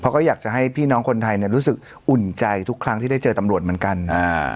เขาก็อยากจะให้พี่น้องคนไทยเนี่ยรู้สึกอุ่นใจทุกครั้งที่ได้เจอตำรวจเหมือนกันอ่า